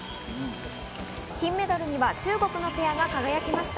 金メダルには中国のペアが輝きました。